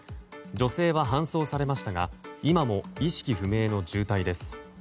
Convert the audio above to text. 女性は搬送されましたが今も意識不明の重体です。